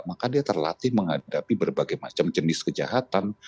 maka dia terlatih menghadapi berbagai macam jenis kejahatan